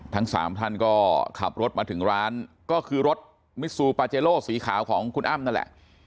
ทั้งสามท่านก็ขับรถมาถึงร้านก็คือรถมิซูปาเจโลสีขาวของคุณอ้ำนั่นแหละ